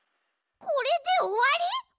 これでおわり？